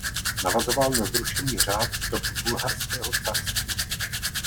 Navazoval na zrušený řád z dob Bulharského carství.